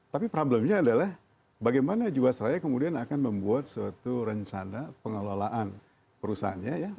tapi problemnya adalah bagaimana jiwasraya kemudian akan membuat suatu rencana pengelolaan perusahaannya ya